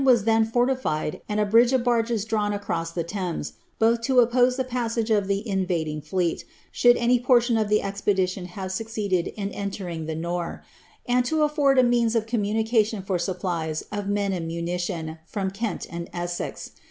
Gravesend vas then forljlied, and a bridge of barges drawn acros* the Thames, both lo oppose ihe passage of the invading fleel, should wij portion of ihe expedition have succeeded in entering the Nore, anil to adbrd a means of communication for supplies of men and munition froia Kent and Essex.